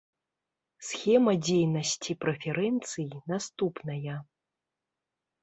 Схема дзейнасці прэферэнцый наступная.